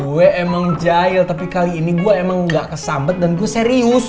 gue emang jahil tapi kali ini gue emang gak kesambet dan gue serius